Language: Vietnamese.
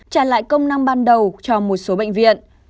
trả lại công năng ban đầu cho một số bệnh viện